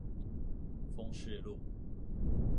豐勢路